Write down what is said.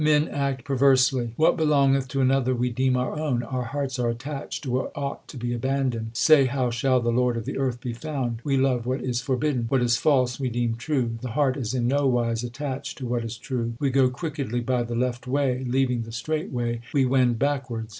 Men act perversely : What belongeth to another we deem our own ; Our hearts are attached to what ought to be abandoned. Say how shall the Lord of the earth be found. We love what is forbidden ; What is false we deem true. The heart is in no wise attached to what is true. We go crookedly by the left way ; Leaving the straight way we wend backwards.